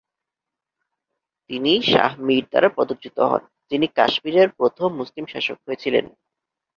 তিনি শাহ মীর দ্বারা পদচ্যুত হন, যিনি কাশ্মীরের প্রথম মুসলিম শাসক হয়েছিলেন।